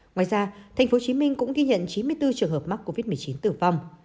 ngoài ra tp hcm cũng ghi nhận chín mươi bốn trường hợp mắc covid một mươi chín tử vong